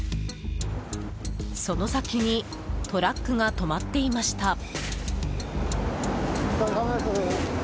その先にトラックが止まっていました。